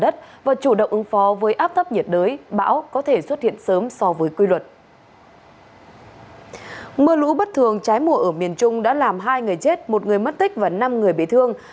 trái mùa ở miền trung đã làm hai người chết một người mất tích và năm người bị thương